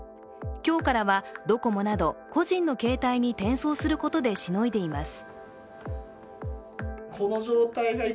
今日からはドコモなど個人の携帯に転送することでしのいでいます。